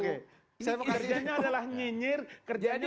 kerjanya adalah nyinyir kerjanya